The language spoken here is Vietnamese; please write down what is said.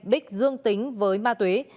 bích dương tính với ma tuế